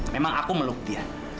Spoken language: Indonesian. memang aku meluk dia